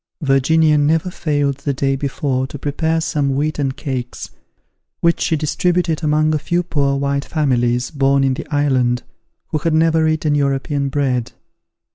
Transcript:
Virginia never failed the day before to prepare some wheaten cakes, which she distributed among a few poor white families, born in the island, who had never eaten European bread.